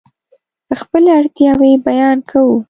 خپلې اړتیاوې بیان کوو.